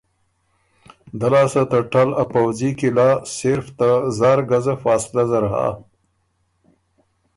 دۀ لاسته ته ټل ا پؤځي قلعه صرف ته زار ګزه فاصلۀ زر هۀ۔